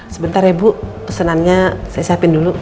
sebentar ya bu pesanannya saya siapin dulu